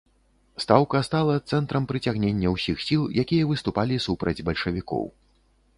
Стаўка стала цэнтрам прыцягнення ўсіх сіл, якія выступалі супраць бальшавікоў.